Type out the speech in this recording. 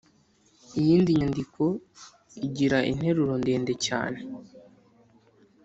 iyindi myandiko igira interuro ndende cyane